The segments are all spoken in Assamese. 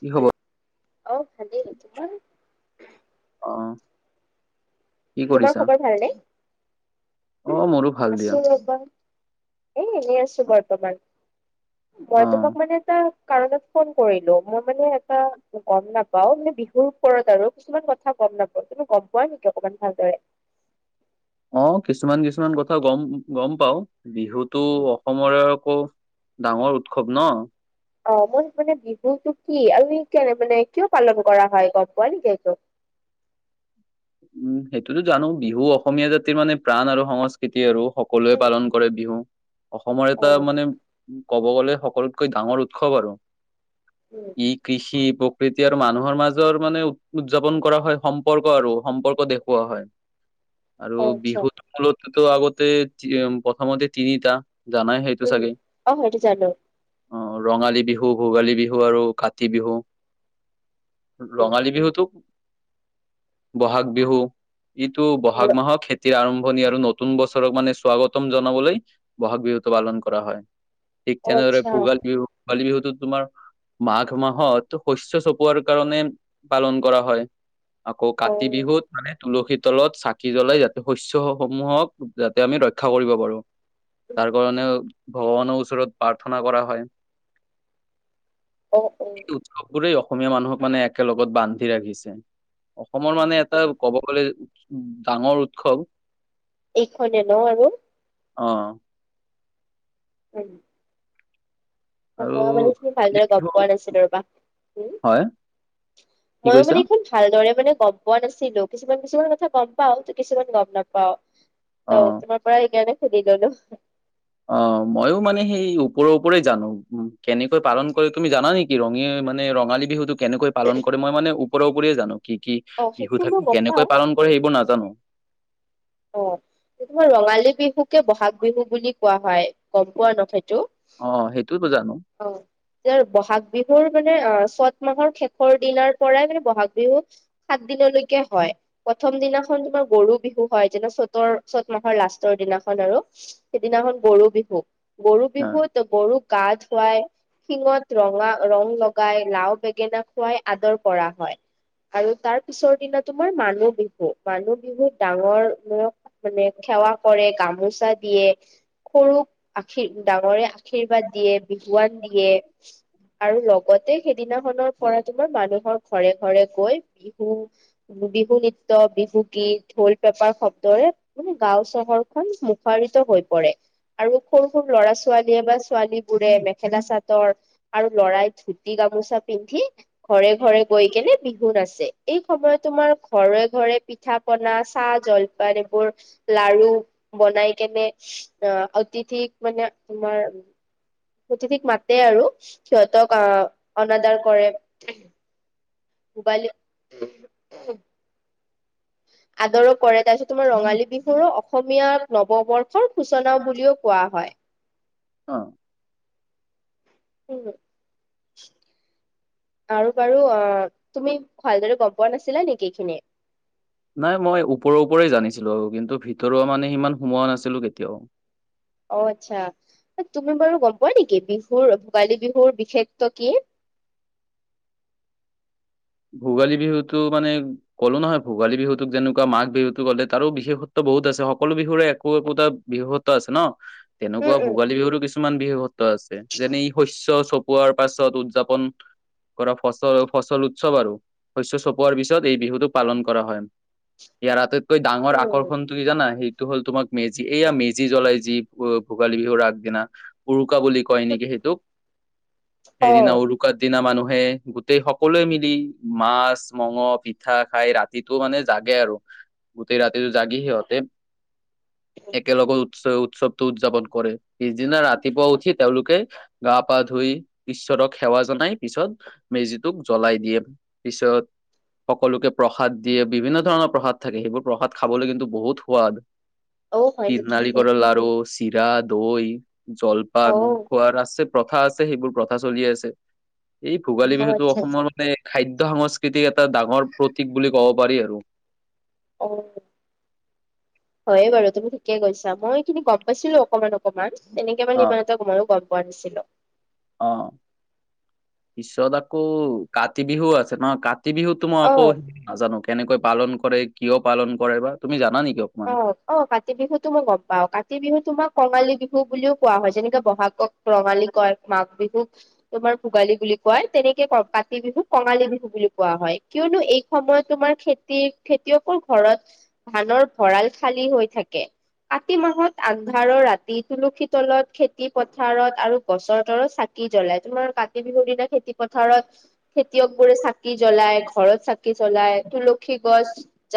কি হ'ব? অঔ ভালে, তোমাৰ? অ' কি তোমাৰ কৰিছা খবৰ ভালনে অ' মোৰো ভাল দিয়া। আছো ৰ'বা এ এনেই আছো বৰ্তমান। মই অ', তোমাক মানে এটা কাৰণত ফোন কৰিলো মই মানে এটা গম নাপাও মানে বিহুৰ ওপৰত আৰু কিছুমান কথা গম নাপাওঁ তুমি গম পোৱা নেকি অকমান ভালদৰে। অ' কিছুমান কিছুমান কথা গম গম পাও বিহুতটো অসমৰে আকৌ ডাঙৰ উৎসৱ ন। অ' মোৰ মানে বিহুতটো কি? আৰু কেনে মানে কিয় পালন কৰা হয়, গম পোৱা নেকি এইটো। উম, সেইটোতো জানো বিহু অসমীয়া জাতিৰ মানে প্ৰাণ আৰু সংস্কৃতি আৰু। সকলোৱে উম পালন কৰে বিহু। অসমৰ অ এটা মানে ক'ব গ'লে, সকলোতকৈ ডাঙৰ উৎসৱ আৰু উম ই কৃষি উপ প্ৰীতি আৰু মানুহৰ মাজৰ মানে, উদযাপন কৰা হয়। সম্পৰ্ক আৰু সম্পৰ্ক দেখুওৱা হয়। আৰু অ আচ্ছা বিহুত মূলতেতো আগতে প্ৰথমতে তিনিটা জানাই সেইটো উম চাগেই অ সেইটো জানো অ', ৰঙালী বিহু, ভোগালী বিহু, আৰু কাতি বিহু। উম ৰঙালী বিহুতো। বহাগ বিহু, ইটো বহাগ মাহৰ খেতি আৰম্ভণি, আৰু নতুন বছৰক মানে, স্বাগতম জনাবলৈ ব'হাগ বিহুতটো পালন কৰা হয়। ঠিক অ তেনেদৰে আচ্ছা ভোগালী বিহু, ভোগালী বিহুতো তোমাৰ মাঘ মাহত, শস্য চপোৱাৰ কাৰণে পালন কৰা হয়। আকৌ অ কাতি বিহুত মানে তুলসী তলত চাকি জ্বলাই যাতে, শস্যসমূহক যাতে আমি ৰক্ষা কৰিব পাৰো। উম তাৰ কাৰণে, ভগৱানৰ ওচৰত প্ৰাৰ্থনা কৰা হয়। অ অ এই উৎসৱ বোৰেই অসমীয়া মানুহক মানে একেলগত বান্ধি ৰাখিছে। অসমৰ মানে, এটা ক'ব গ'লে ডাঙৰ উৎসৱ। এইখনে ন আৰু অ', অ', আৰু মইো মানে এইখিনি ভালদৰে গম বিহু পোৱা নাছিলো, ৰবা হয় কি মইো কৈছা মানে এইখন ভালদৰে মানে গম পোৱা নাছিলো, কিছুমান, কিছুমান, কথা গম পাও ত কিছুমান গম নাপাও। অ ত তমাৰ পৰা সেইকাৰনে সুধি ললো অ', মইো মানে সেই ওপৰৰ ওপৰে জানো, উ কেনেকৈ পালন কৰি তুমি জানা নেকি? কি ৰঙী মানে, ৰঙালী বিহুতটো কেনেকৈ পালন কৰে মই মানে ওপৰৰ ওৰি জানো কি? অ সেইটো বিহু মই থাকি গম পাও কেনেকৈ পালন কৰে উম সেইবোৰ নাজানো। অ', এই ৰঙালী বিহুকে, বহাগ বিহু বুলি কোৱা হয়, গম পোৱা ন সেইটো অ', সেইটোয়তো জানো অ', বহাগ বিহুৰ মানে, অ', চত মাহৰ শেষৰ দিনাৰ পৰাই মানে বহাগ বিহু। সাত দিনলৈকে হয়, প্ৰথম দিনাখন তোমাৰ গৰু বিহু। হয়, যেদি চ'তৰ চ'ত মাহৰ লাষ্টৰ দিনাখন আৰু সেইদিনাখন গৰু বিহু। গৰু অ বিহুত গৰুক গা ধুৱাই। শিঙত ৰঙা ৰং লগাই, লাও বেঙেনা খুৱাই আদৰ কৰা হয়। আৰু তাৰ পিছৰ দিনা তোমাৰ মানুহ বিহু, মানুহ বিহুত ডাঙৰ ৰ মানে, সেৱা কৰে গামোচা দিয়ে। সৰুক ডাঙৰে আশীৰ্বাদ দিয়ে। বিহুৱান দিয়ে। আৰু লগতে সেইদিনাখনৰ পৰা তোমাৰ মানুহৰ ঘৰে ঘৰে গৈ বিহু বিহু নৃত্য, বিহু গীত ঢোল পেপাৰ শব্দৰে মানে, গাঁও চহৰখন মুখাৰিত হৈ পৰে। আৰু সৰু, সৰু, ল'ৰা ছোৱালীয়ে বা ছোৱালী বোৰে মেখেলা চাদৰ আৰু লৰাই ধুতি গামোচা পিন্ধি ঘৰে, ঘৰে, গৈ কেনে বিহু নাছে, এই সময়ত তোমাৰ ঘৰে ঘৰে পিঠা পনা চাহ-জলপান এইবোৰ লাৰু বনাই কেনে অ', অতিথিক মানে তোমাৰ অতিথিক মাতে আৰু, সিহঁতক আদৰ কৰে [unintelligible] আদৰো কৰে, তাৰপিছত তোমাৰ ৰঙালী বিহুৰো অসমীয়া নৱবৰ্ষৰ সূচনাও বুলিও কোৱা হয়। অ', উম, আৰু বাৰু অ তুমি ভালদৰে গম পোৱা নাছিলা নেকি এইখিনিয়ে? নাই মই ওপৰৰ ওপৰেই জানিছিলোঁ আৰু কিন্তু ভিতৰুৱা মানে সিমান সোমোৱা নাছিলোঁ কেতিয়াও। অ, আচ্ছা তুমি বাৰু গম পোৱা নেকি বিহুৰ ভোগালী বিহুৰ বিশেষত কি? ভোগালী বিহুতো মানে ক'লো নহয় ভোগী বিহুটোক যেনেকুৱা মা বিহুটো ক'লে তাৰো বিশেষত্ব বহুত আছে সকলো বিহুৰে একো একোটা বিহুত আছে ন উম তেনেকুৱা উম ভোগালী বিহুৰো কিছুমান বিহু সত্ব আছে যেনে শস্ চ পোৱাৰ পাছত উদযাপন কৰা ফচল ফচল চব ব আৰুু শস্্য চপোৱাৰ পিছত এই বিহুতটো পালন কৰা হয়। ইয়াৰ আটাইতকৈ ডাঙৰ উম আকৰ্ষণ কি জানা সেইটো হ'ল তোমাক মেজি এইয়া মেজি জ্বলাই যি ভোগালী বিহুৰ আগদিনা। উৰুকা বুলি কয় নেকি সেইটোক? অ সেইদিনা উৰুকাৰ দিনা মানুহে গোটেই সকলোৱে মিলি মাছ মঙহ পিঠা খাই ৰাতিটো মানে জাগে আৰু। গোতেই ৰাতিতো জাগিহি সিহঁতে একেলগত উৎস-উৎসৱতটো উদযাপন কৰে পিছদিনা ৰাতিপুৱা উঠি তেওঁলোকে গা পা ধুই ঈশ্বৰক সেৱা জনাই পিছত মেজিটোক জ্বলাই দিয়ে। পিছত সকলোকে প্ৰসাদ দিয়ে বিভিন্ন ধৰণৰ প্ৰসাদ থাকে সেইবোৰ প্ৰসাদ খাবলৈ কিন্তু বহুত সোৱাদ। অ হয় তিল নেকি নাৰিকৰ লাৰু চিৰা দৈ অ জলপান খোৱাদ আছে। প্ৰথা আছে সেইবোৰ প্ৰথা চলি আছে। এই ভোগালী অ বিহুতটো আচ্ছা আচ্ছা অসমৰ মানে খাদ্য সংস্কৃতিক এটা ডাঙৰ প্ৰতীক বুলি ক'ব পাৰি আৰু। অ, হয়ে বাৰু তুমি ঠিকে কৈছা মইখিনি গম পাইছিলো অকমান অকমান। অকমান এনেকে অ মানে ইমান এটা ম ই গম পোৱা নাছিলোঁ। অ'। পিছত আকৌ কাতি বিহু আছে ন কাতি বিহুত কিন্তু মই আকৌ অ নাজানো কেনেকৈ পালন কৰে কিয় পালন কৰে বা তুমি জানা নেকি অকমান? অ অ কাতি বিহুতটো মই গম পাওঁ কাতি বিহু তোমাক কঙালী বিহু বুলিও কোৱা হয় যেনেকে বহাগক ৰঙিলী কয় মাঘ বিহু তোমাৰ ভোগালী বুলি কোৱায় তেনেকে ক কাতি বিহুক কঙালী বিহু বুলি কোৱা হয়। কিয়নো এই সময়ত তোমাৰ খেতিৰ খেতিয়কৰ ঘৰত ধানৰ ভঁৰাল খালী হৈ থাকে, কাতি মাহত আন্ধাৰৰ ৰাতি তুলসী তলত খেতি পথাৰত আৰু তুলসী তলৰ চাকি চাকী জ্বলাই তোমাৰ কাতি বিহু দিনা খেতি পথাৰত খেতিয়ক বোৰে চাকি জ্বলাই ঘৰত চাকি জ্বলাই তুলসী গছ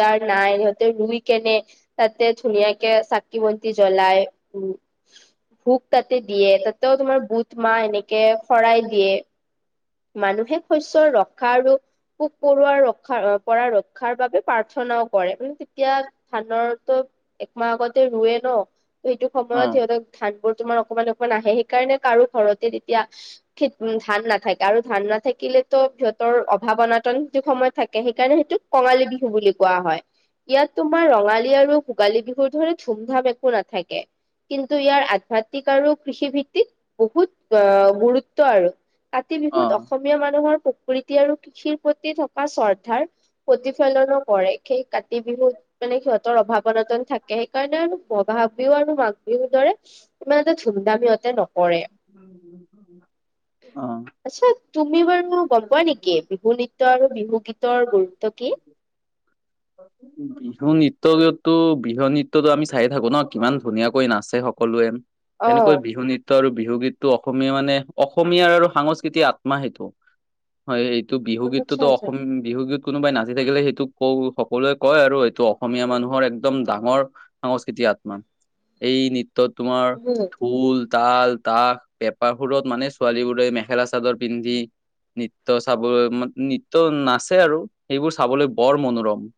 যাৰ নাই ইহঁতে ৰুই কেনে তাতে ধুনিয়াকে চাকি বন্তি জ্বলাই। উম, ভোক তাতে দিয়ে তাতেও তোমাৰ বুট মাহ এনেকে শৰাই দিয়ে। মানুহে শস্য ৰক্ষা আৰু পোক পৰুৱা ৰক্ষা পৰা ৰক্ষাৰ বাবে প্ৰাৰ্থনাও কৰে মানে তেতিয়া ধান একমাহ আগতে ৰৱে ন সেইটো সময়ত অ', সিহঁতক ধান বোৰ তোমাৰ অকমান অকমান আহে সেইকাৰণে কাৰো ঘৰতে তেতিয়া খ ধান নাথাকে। আৰু ধান নাথাকিলেতো সিহঁতৰ অভাৱ অনাটন য যটো সময়ত থাকে সেইকাৰণে সেইটোক কঙালী বিহু বুলি কোৱা হয়। ইয়াত তোমাৰ ৰঙালী আৰু ভোগালী বিহুৰ ধৰে ধুম ধাম একো নাথাকে। কিন্তু ইয়াৰ আধ্যাতিক আৰু কৃষি ভিত্তিক বহুত আহ গুৰুত্ব আৰু। কাতি বিহুত অ', অসম দুখীয়া মানুহৰ প্ৰকৃতি আৰু কৃষিৰ প্ৰতি থকা শ্ৰদ্ধাৰ প্ৰতিফলনো কৰে। সেই কাতি বিহুত মানে সিহঁতৰ অভাৱ অনাতন থাকে, সেইকাৰণে বহাগ আৰু মাগ বিহু আৰু মাঘ বিহুৰ দৰে ইমান এটা ধুমধামিয়তে নকৰে। অ। আছা তুমি বাৰু গম পোৱা নেকি বিহু নৃত্য আৰু বিহু গীতৰ গুৰুত্ব কি? [unintelligible] বিহু নৃত্য, বিহু নৃত্যতো আমি চাই থাকো ন কিমান ধুনীয়াকৈ নাচে সকলোৱে। অ তেনেকৈ বিহু নৃত্য আৰু বিহু গীতটো অসমীয়া মানে অসমীয়াৰ আৰু সংস্কৃতিক আত্মা সেইটো। হয়, এইটো বিহু আচ্ছা গীতটোতো আচ্ছা অসম বিহু গীত কোনোবাই নাচি থাকিলে সেইটো ক' সকলোৱে কয় আৰু এইটো অসমীয়া মানুহৰ একদম ডাঙৰ সংস্কৃতি আত্মা, এই নৃত্যত তোমাৰ উম ঢোল তাল, তাস, পেঁপাৰ সুৰত মানে ছোৱালী বোৰে মেখেলা চাদৰ পিন্ধি নৃত্য চাবলৈ মান নৃত্য নাচে আৰু সেইবোৰ চাবলৈ বৰ মনোৰম।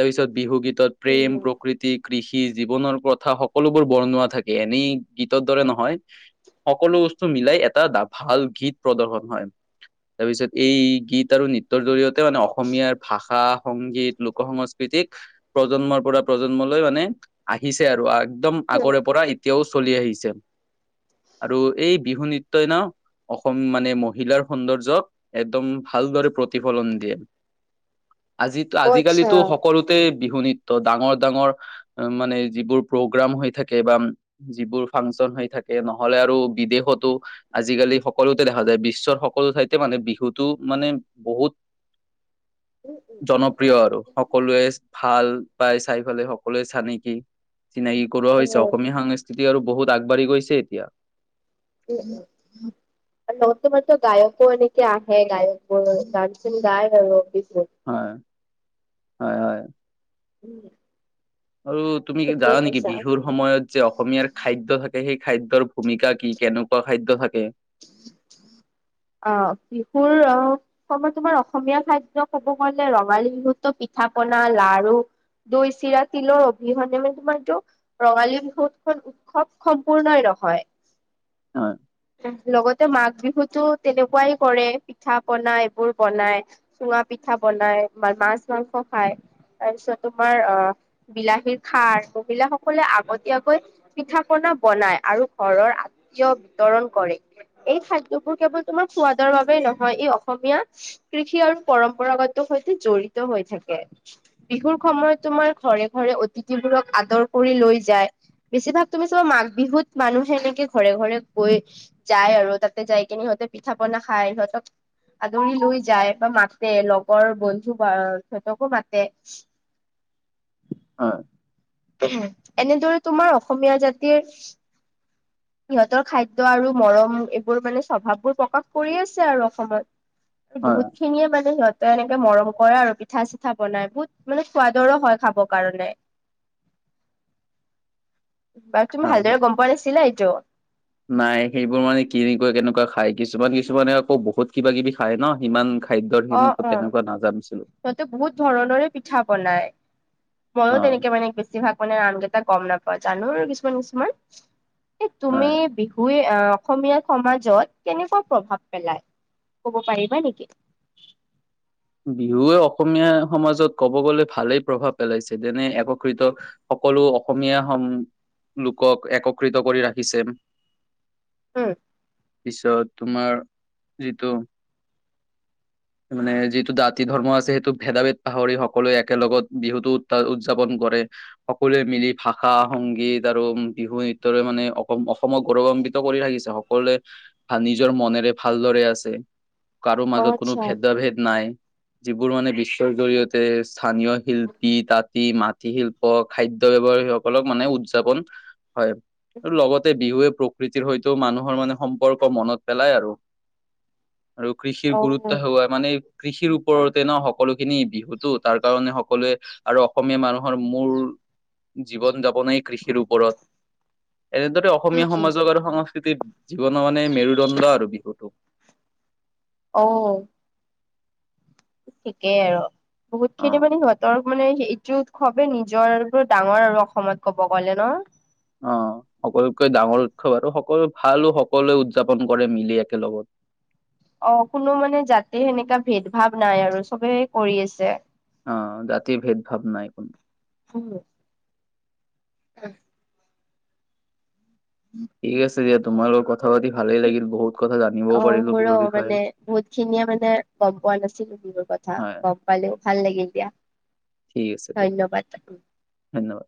তাৰপিছত বিহু গীতত প্ৰেম উম প্ৰকৃতি কৃষি জীৱনৰ কথা সকলোবোৰ বৰ্ণোৱা থাকে এনেই গীতৰ দৰে নহয়। সকলো বস্তু মিলাই এটা ভাল গীত প্ৰদৰ্শন হয়। তাৰপিছত এই গীত আৰু নৃত্য জৰিয়তে মানে অসমীয়া ভাষা, সংগীত, লোক সংস্কৃতিক প্ৰজন্মৰ পৰা প্ৰজন্মলৈ মানে আহিছে আৰু। একদম উম আগৰে পৰা এতিয়াও চলি আহিছে আৰু এই বিহু নৃত্য ন' মানে মহিলাৰ সৌন্দৰ্যক একদম ভালদৰে প্ৰতিফলন দিয়ে। আজি অ আচ্ছা আজিকালিতো সকলোতে বিহু নৃত্য ডাঙৰ ডাঙৰ মানে যিবোৰ প্ৰগ্ৰাম হৈ থাকে বা যিবোৰ ফাংচন হৈ থাকে নহলে আৰু বিদেশতো আজিকালি সকলোতে দেখা যায় বিশ্বৰ সকলো ঠাইতে মানে বিহুটো মানে বহুত উম উম জনপ্ৰিয় আৰু সকলোৱে ভাল পাই। চাই ফালে সকলোৱে চানেকি চিনাকি কৰোৱা অ হৈছে অসমীয়া সং সিতি বহুতগবাঢ়ি গৈছে এতিয়া [inaudible] [unintelligible] গায়কো এনেকে আহে গায়কবোৰ গান চান গাই বাৰু পিছে। হয়, হয়, হয়, উম, আৰু তুমি ঠিকে জানা নেকি কৈছা বিহুৰ সময়ত যে অসমীয়াৰ খাদ্য থাকে সেই খাদ্যৰ ভূমিকা কি কেনেকুৱা খাদ্য থাকে? অ', শিহুৰ অ, কই তোমাৰ অসমীয়া খাদ্য ক'ব গলে ৰঙালী বিহুটো পিঠা পনা লাড়ো দৈ চিৰা তিলৰ অবিহনে মানে তোমাৰটো ৰঙালী বিহুত খন উৎসৱ সম্পূৰ্ণঃ নহয়। হয়, লগতে মাঘ বিহুতো তেনেকুৱাই কৰে পিঠা পনাই এইবোৰ বনাই চুঙা পিঠা বনাই, মাছ মাংস খায় তাৰপিছত তোমাৰ আ বিলাহীৰ খাৰ মহিলা সকলে আগতীয়াকৈ পিঠা পনা বনাই আৰু ঘৰৰ আতীয় বিতৰণ কৰে, এই খাদ্য বোৰ কেৱল তোমাৰ সোৱাদৰ বাবে নহয়, এই অসমীয়া কৃষি আৰু পৰম্পৰাগত সৈতে জড়িত হৈ থাকে। বিহুৰ সময়ত তোমাৰ ঘৰে ঘৰে অতিথিবোৰক আদৰ কৰি লৈ যায়। বেছিভাগ তুমি চাবা মাঘ বিহুত মানুহে এনেকে ঘৰে ঘৰে গৈ যায় আৰু তাতে যাই কিনে সিহঁতে পিঠা পনা খাই সিহঁতক আদৰি লৈ যায় বা মাতে লগৰ বন্ধু বা সিহঁতকো মাতে [inaudible] হয় এনেদৰে তোমাৰ অসমীয়া জাতিৰ সিহঁতৰ খাদ্য আৰু মৰম এইবোৰ মানে স্বভাৱবোৰ প্ৰকাশ কৰি আছে আৰু অসমত। এ বহুত হয় খিনিয়ে মানে সিহঁতে এনেকে মৰম কৰে আৰু পিঠা চিঠা বনাই, বহুত মানে সোৱাদৰো হয় খাবৰ কাৰণে। [inaudible] বাৰু তুমি হয় হয় ভালদৰে গম পোৱা নাছিলা এইটো। নাই সেইবোৰ মানে কিৰে কেনেকুৱা খাই কিছুমান কিছুমানে আকৌ বহুত কিবা কিবি খায় নহ সিমান। খাদ্যৰ অ', [unintelligible] অ'। তেনেকুৱা নাজানিছিল। সিহঁতে বহুত ধৰণৰে পিঠা বনাই অ মইয়ো তেনেকে মানে বেছি। বেছিভাগ মানে নাম কেইটা গম নাপাওঁ জানো কিছুমান কিছুমান এই তুমি হয় বি হুই আহ অসমীয়া সমাজত কেনেকুৱা প্ৰভাৱ পেলাই ক'ব পাৰিবা নেকি। বিহুৱে অসমীয়া সমাজত ক'ব গ'লে ভালেই প্ৰভাৱ পেলাইছে যেনে এককৃত। সকলো অসমীয়া লোকক একত্ৰিত কৰি ৰাখিছে। হুম। পিছত তোমাৰ যিটো। মানে যিটো জাতি ধৰ্ম আছে সেইটো ভেদা ভেদ পাহৰি সকলোৱে একেলগত বিহুটো [unintelligible] উদযাপন কৰে। সকলোৱে মিলি ভাষা সংগীত আৰু বিহু নৃত্যৰে মানে অস-অসমক গৌৰৱান্বিত কৰি ৰাখিছে। সকলোৱে নিজৰ মনেৰে ভালদৰে আছে কাৰো অ মাজত কোনো। আচ্ছা ভেদা ভেদ নাই। যিবোৰ মানে বিশ্বৰ জৰিয়তে স্থানীয় শিল্পী তাঁতি মাটি শিল ল্প খাদ্য ব্যৱহাৰি সকলক মানে উদযাপন। হয় আৰু লগতে বিহুৱে প্ৰকৃতিৰ সৈতেও মানুহৰ মানে সম্পৰ্ক মনত পেলায় আৰু। আৰু কৃষিৰ অ গুৰুত ত্ব মানে কৃষিৰ ওপৰতে নহ সকলোখিনি বিহুতো তাৰ কাৰণে সকলোৱে। আৰু অসমীয়া মানুহৰ মূল জীৱন-যাপনেই কৃষিৰ ওপৰত। এনেদৰে উম অসমীয়া উম সমাজক আৰু সংস্কৃতিৰ জীৱনৰ মানে মেৰুদণ্ড আৰু বিহুটো। অ। ঠিকেই আৰু বহুত অ'। খিনি মানে সিহঁতৰ। মানে সেইটো উৎসৱে নিজৰ ওপৰত ডাঙৰ আৰু অসমত ক'ব গ'লে নহ। অ সকলোতকৈ ডাঙৰ উৎসৱ আৰু সকলো ভালো সকলোৱে উদযাপন কৰে মিলি একেলগত। অ কোনো মানে জাতি সেনেকা ভেদ ভাৱ নাই আৰু চবে কৰি আছে। অ জাতিৰ ভেদ ভাৱ নাই কোনো। [unintelligible] [unintelligible] [unintelligible] ঠিক আছে দিয়া তোমাৰ লগত। কথা পাতি ভালে। ভালে উম লাগিল বহুত কথা। জানিবও অ পাৰিলো মোৰো বিহুৰ বিষয়ে মানে বহুত খিনিয়ে মানে গম পোৱা নাছিলো বিহুৰ কথা। হয় গম পালোঁ ভাল লাগিল দিয়া। [inaudible] আছে দিয়া ধন্যবাদ। ধন্যবাদ।